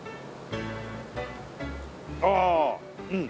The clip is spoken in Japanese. ああうん。